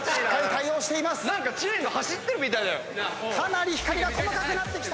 かなり光が細かくなってきた！